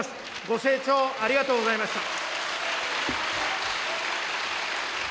ご清聴ありがとうございました。